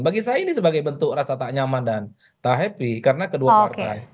bagi saya ini sebagai bentuk rasa tak nyaman dan tak happy karena kedua partai